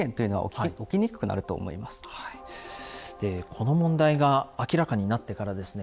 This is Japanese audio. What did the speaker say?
この問題が明らかになってからですね